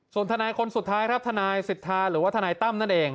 ส่วนทนายคนสุดท้ายครับทนายสิทธาหรือว่าทนายตั้มนั่นเอง